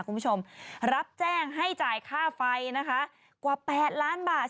คุณผู้ชมรับแจ้งให้จ่ายค่าไฟนะคะกว่า๘ล้านบาท